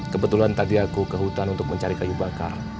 kebetulan tadi aku ke hutan untuk mencari kayu bakar